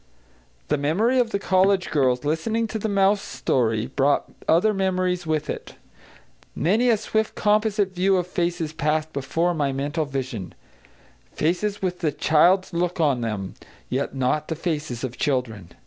The memory of the college girls listening to the mouse story brought other memories with it. Many a swift composite view of faces passed before my mental vision, faces with the child's look on them, yet not the faces of children.